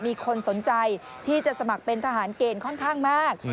มีคนสนใจที่จะสมัครเป็นทหารเกณฑ์ค่อนข้างมาก